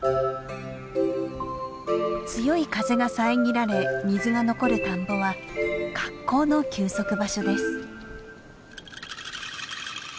強い風が遮られ水が残る田んぼは格好の休息場所です。